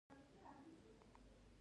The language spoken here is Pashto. هرڅه واخله